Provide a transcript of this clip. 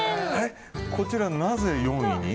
こちら、なぜ４位に？